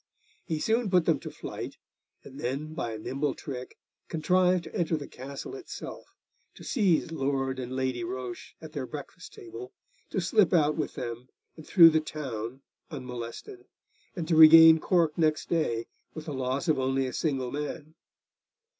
He soon put them to flight, and then, by a nimble trick, contrived to enter the castle itself, to seize Lord and Lady Roche at their breakfast table, to slip out with them and through the town unmolested, and to regain Cork next day with the loss of only a single man.